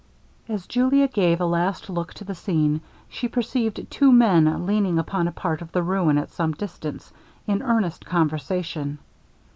As Julia gave a last look to the scene, she perceived two men leaning upon a part of the ruin at some distance, in earnest conversation.